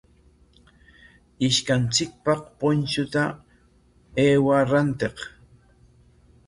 Ishkanchikpaq punchuta aywaa rantiq.